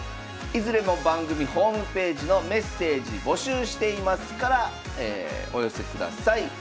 いずれも番組ホームページの「メッセージ募集しています」からお寄せください。